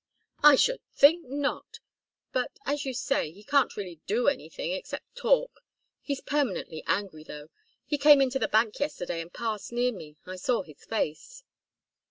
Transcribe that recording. "I should think not! But as you say, he can't really do anything except talk. He's permanently angry, though. He came into the bank yesterday and passed near me. I saw his face."